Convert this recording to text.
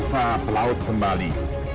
untuk memperoleh jalan kembali